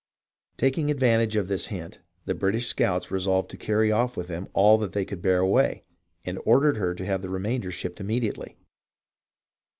Taking advantage of this hint, the British scouts resolved to carry off with them all that they could bear away, and ordered her to have the remainder shipped immediately.